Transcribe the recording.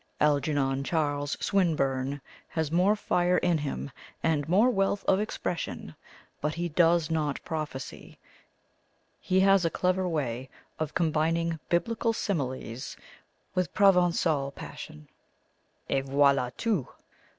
Algernon Charles Swinburne has more fire in him, and more wealth of expression, but he does not prophesy; he has a clever way of combining Biblical similes with Provengal passion et voila tout!